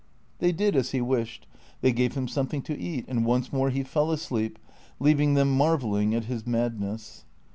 They did as he wished ; they gave him something to eat, and once more he fell asleep, leaving them marvelling at his madness.